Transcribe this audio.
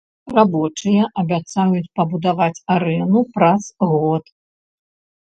Рабочыя абяцаюць пабудаваць арэну праз год.